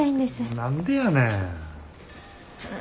何でやねん。